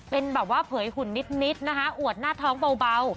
เป็นแบบว่าเผยหุ่นนิดนะคะอวดหน้าท้องเบา